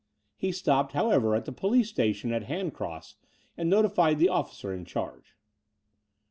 He stopped, however, at the police station at Hand cross and notified the officer in charge.